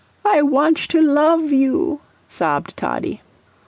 "I wantsh to love you," sobbed Toddie.